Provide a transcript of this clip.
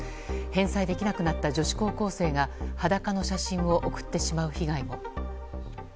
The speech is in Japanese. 返済できなくなった女子高校生が裸の写真を送ってしまう被害も。